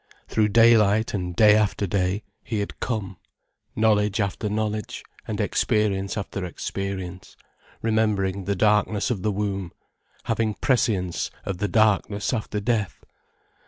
Through daylight and day after day he had come, knowledge after knowledge, and experience after experience, remembering the darkness of the womb, having prescience of the darkness after death.